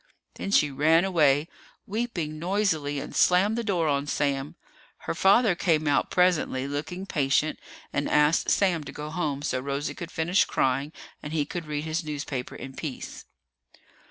Then she ran away, weeping noisily, and slammed the door on Sam. Her father came out presently, looking patient, and asked Sam to go home so Rosie could finish crying and he could read his newspaper in peace.